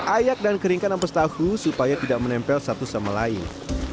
ayak dan keringkan ampas tahu supaya tidak menempel satu sama lain